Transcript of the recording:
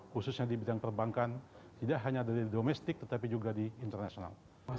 khususnya di bidang perbankan tidak hanya dari domestik tetapi juga di internasional